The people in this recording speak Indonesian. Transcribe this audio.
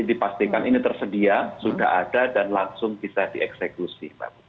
dipastikan ini tersedia sudah ada dan langsung bisa dieksekusi